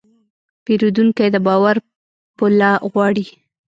پیرودونکی د باور پله غواړي.